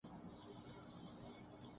ان کے کریکٹر کا حصہ بنیں۔